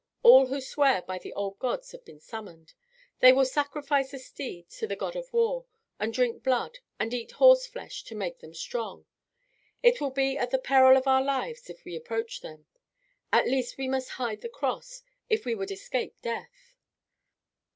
All who swear by the old gods have been summoned. They will sacrifice a steed to the god of war, and drink blood, and eat horse flesh to make them strong. It will be at the peril of our lives if we approach them. At least we must hide the cross, if we would escape death."